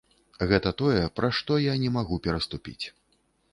Гэта тое, праз што я не магу пераступіць.